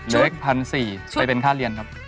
เล็ก๑๔๐๐ไปเป็นค่าเรียนครับ